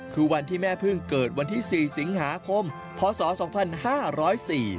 คือวันที่แม่พึ่งเกิดวันที่๔สิงหาคมพศ๕๒๔๐